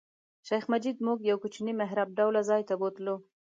شیخ مجید موږ یو کوچني محراب ډوله ځای ته بوتلو.